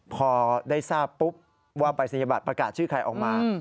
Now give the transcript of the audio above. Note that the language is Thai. พอได้ทราบปุ๊บว่าปรายศนียบัตรประกาศชื่อใครออกมา